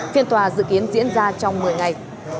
phiên tòa dự kiến diễn ra trong một mươi ngày